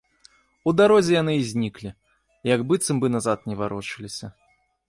У дарозе яны і зніклі, і як быццам бы назад не варочаліся.